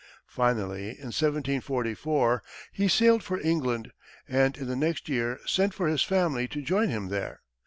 Finally, in 1774, he sailed for England, and in the next year sent for his family to join him there.